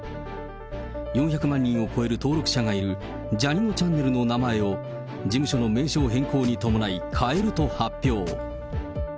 ４００万人を超える登録者がいるジャにのちゃんねるの名前を、事務所の名称変更に伴い、変えると発表。